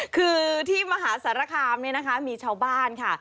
คือที่มหาสารคามเนี่ยนะคะมีชาวบ้านค่ะ